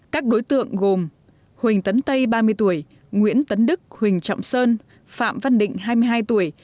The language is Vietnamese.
các đối tượng gồm huỳnh tấn tây ba mươi tuổi nguyễn tấn đức huỳnh trọng sơn phạm văn định hai mươi hai tuổi